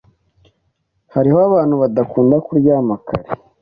Hariho abantu badakunda kuryama kare.